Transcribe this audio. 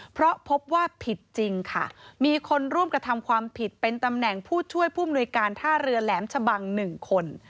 เพราะพบว่าผิดจริงค่ะมีคนร่วมกระทำความผิดเป็นตำแหน่งผู้ช่วยผู้มนุยการท่าเรือแหลมชะบัง๑คน